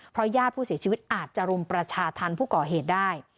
ญาติผู้เสียชีวิตอาจจะรุมประชาธรรมผู้ก่อเหตุได้